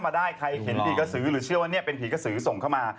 เป็นผีกสือหรือเชื่อว่าเป็นผีกสือส่งเข้ามา